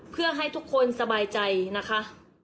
เพื่อให้ทุกคนสบายใจนะคะ